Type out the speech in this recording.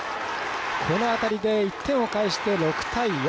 この当たりで１点を返して６対４。